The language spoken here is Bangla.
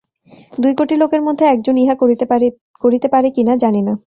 দুই কোটি লোকের মধ্যে একজন ইহা করিতে পারে কিনা, জানি না।